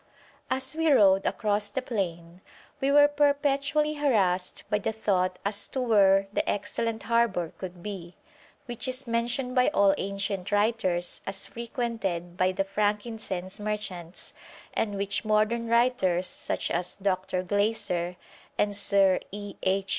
As we rode across the plain we were perpetually harassed by the thought as to where the excellent harbour could be, which is mentioned by all ancient writers as frequented by the frankincense merchants, and which modern writers, such as Dr. Glaser and Sir E. H.